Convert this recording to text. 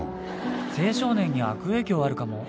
青少年に悪影響あるかも。